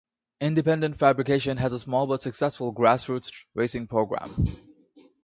Independent Fabrication has a small but successful grassroots racing program.